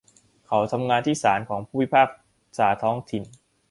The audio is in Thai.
เขาทำงานที่ศาลของผู้พิพากษาท้องถิ่น